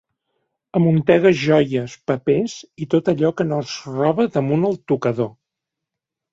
Amuntega joies, papers i tot allò que no és roba damunt el tocador.